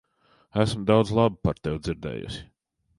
Esmu daudz laba par tevi dzirdējusi.